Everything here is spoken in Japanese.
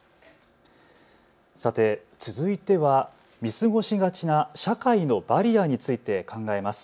さて続いては見過ごしがちな社会のバリアについて考えます。